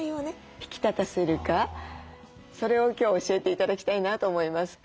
引き立たせるかそれを今日教えて頂きたいなと思います。